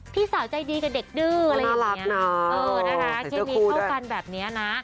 พี่สาวใจดีกับเด็กดื้อน่ารับนะเออนะคะเคยมีเข้ากันแบบนี้นะ